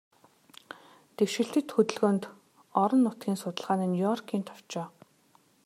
Дэвшилтэт хөдөлгөөнд, орон нутгийн судалгааны Нью-Йоркийн товчоо